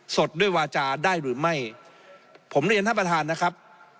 สดด้วยวาจาได้หรือไม่ผมเรียนท่านประธานนะครับ